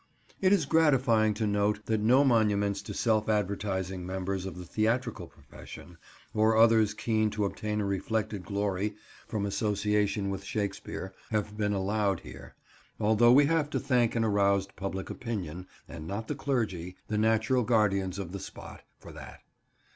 It is gratifying to note that no monuments to self advertising members of the theatrical profession, or others keen to obtain a reflected glory from association with Shakespeare, have been allowed here, although we have to thank an aroused public opinion, and not the clergy, the natural guardians of the spot, for that.